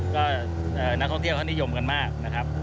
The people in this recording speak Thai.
ก็นักท่องเที่ยวเขานิยมกันมากนะครับ